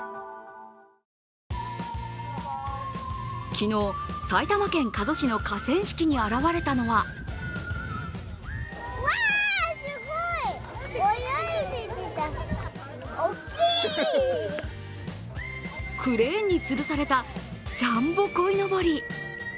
昨日、埼玉県加須市の河川敷に現れたのはクレーンにつるされたジャンボこいのぼり。